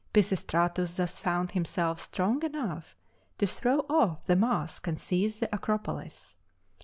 Pisistratus thus found himself strong enough to throw off the mask and seize the Acropolis.